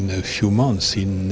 pada bulan mei depan